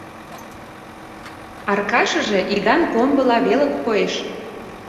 Аркашыже иган комбыла веле коеш.